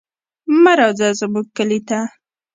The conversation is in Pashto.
مه راځه زموږ کلي ته.